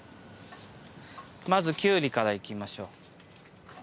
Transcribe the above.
まずきゅうりからいきましょう。